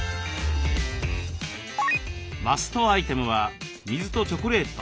マストアイテムは水とチョコレート。